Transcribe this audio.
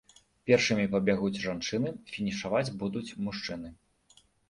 Першымі пабягуць жанчыны, фінішаваць будуць мужчыны.